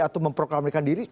atau memproklamirkan diri